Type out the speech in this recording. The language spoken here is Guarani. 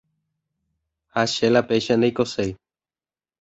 ha che la péicha ndaikoséi